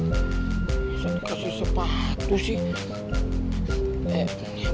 bisa kasih sepatu sih